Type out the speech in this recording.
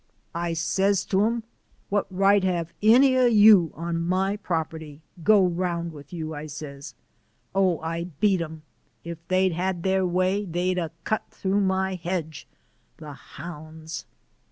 I says to 'em, 'What right hev any o' you on my property? Go round with you,' I says. Oh, I beat 'em. If they'd had their way, they'd 'a' cut through my hedge the hounds!"